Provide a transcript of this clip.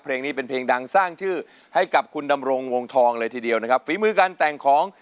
เพลงนี้เป็นเพลงดังสร้างชื่อให้กับคุณดำรงวงทอง